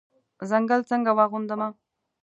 ځنګل څنګه واغوندمه